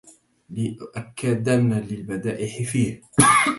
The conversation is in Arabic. لأكدَّنَّ للمدائح فيه